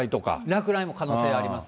落雷も可能性あります。